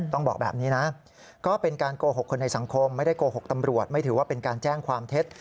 ต้องบอกแบบนี้นะก็เป็นการโกหกคนในสังคมไม่ได้โกหกตำรวจไม่ถือว่าเป็นการแจ้งความเท็จ